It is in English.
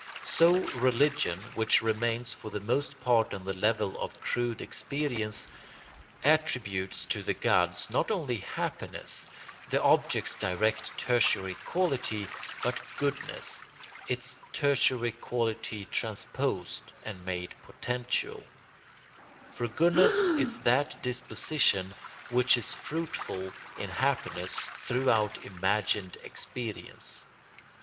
So religion, which remains for the most part on the level of crude experience, attributes to the gods not only happiness—the object's direct tertiary quality—but goodness—its tertiary quality transposed and made potential; for goodness is that disposition which is fruitful in happiness throughout imagined experience.